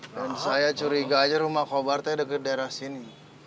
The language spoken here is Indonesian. dan saya curiga aja rumah kobar itu ada di daerah sini